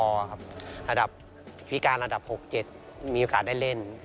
ระดับพิการระดับ๖๗มีโอกาสได้เล่น